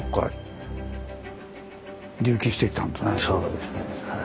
そうですねはい。